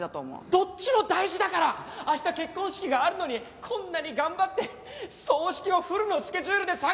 どっちも大事だから明日結婚式があるのにこんなに頑張って葬式をフルのスケジュールで参加したんだろ！